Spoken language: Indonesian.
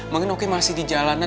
mungkin oke masih di jalanan